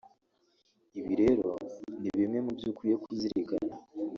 Ibi rero ni bimwe mu byo ukwiye kuzirikana